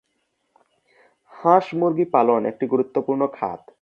হাঁস-মুরগী পালন একটি গুরুত্বপূর্ণ খাত।